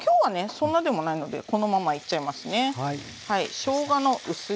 そんなでもないのでこのままいっちゃいますね。